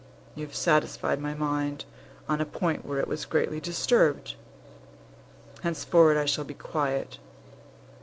You have satisfied my mind on a point where it was greatly disturbed. Henceforward I shall be quiet.